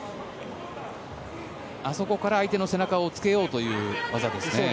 あそこから相手の背中をつけようという技ですね。